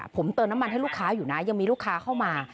ผมเติมน้ำมันให้ลูกค้าอยู่นะยังมีลูกค้าเข้ามา